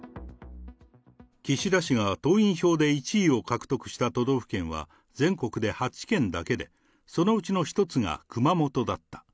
岸田氏が党員票で１位を獲得した都道府県は全国で８県だけで、そのうちの１つが熊本だった。